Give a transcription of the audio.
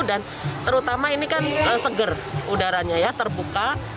dan terutama ini kan seger udaranya terbuka